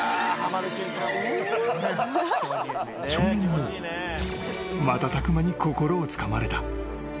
［少年も瞬く間に心をつかまれた］